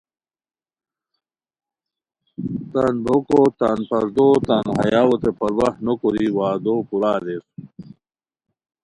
تان بوکو تان پردو تان حیاوتے پرواہ نوکوری وعدو پورا اریر